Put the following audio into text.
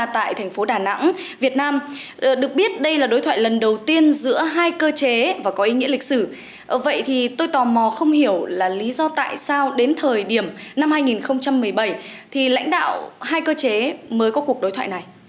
thì tôi tò mò không hiểu là lý do tại sao đến thời điểm năm hai nghìn một mươi bảy thì lãnh đạo hai cơ chế mới có cuộc đối thoại này